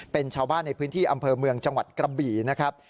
เป็นชาวบ้านในพื้นที่อำเภอเมืองจังหวัดกระบี่นะครับ